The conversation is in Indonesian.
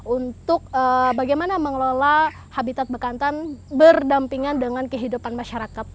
untuk bagaimana mengelola habitat bekantan berdampingan dengan kehidupan masyarakat